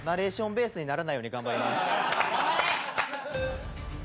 頑張れ！